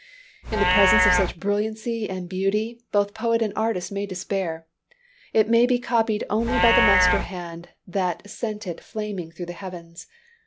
In the presence of such brilliancy and beauty, both poet and artist may despair. It may be copied only by the master hand that sent it flaming through the heavens.